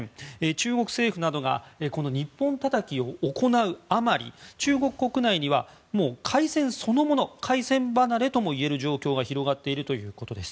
中国政府などがこの日本たたきを行う余り中国国内には海鮮そのもの海鮮離れといえる状況が広がっているということです。